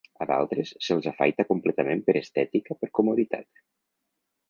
A d'altres se'ls afaita completament per estètica per comoditat.